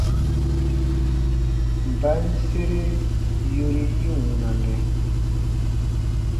Mba n sere yori yi wunanɛ ?